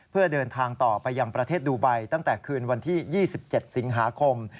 เพื่อเดินทางต่อไปยังประเทศดูไบตั้งแต่คืนวันที่๒๗สิงหาคม